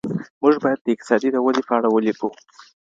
موږ باید د اقتصادي ودي په اړه ولیکو.